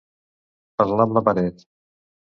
Parlar amb la paret.